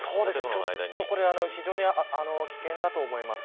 ちょっとこれは非常に危険だと思います。